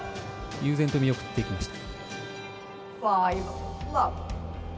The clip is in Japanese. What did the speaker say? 悠然と見送っていきました。